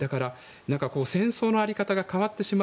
戦争の在り方が変わってしまう。